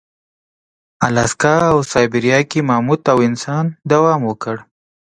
الاسکا او سابیریا کې ماموت او انسان دوام وکړ.